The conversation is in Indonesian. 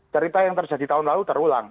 cerita yang terjadi tahun lalu terulang